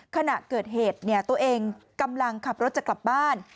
ขณะเกิดเหตุตัวเองกำลังขับรถจะกลับบ้าน